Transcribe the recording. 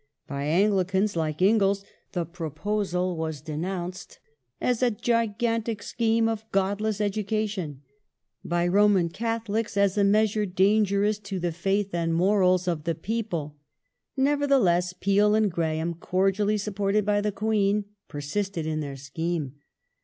By Anglicans, like Inglis, the proposal was denounced "as a gigantic scheme of Godless education" ; by Roman Catholics as a measure " dangerous to the faith and morals 1846] THE FAMINE AND AFTER 183 of the people". Nevertheless, Peel and Graham, cordially sup ported by the Queen, pei sisted in their scheme.